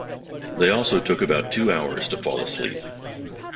They also took about two hours to fall asleep.